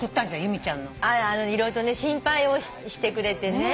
色々とね心配をしてくれてね。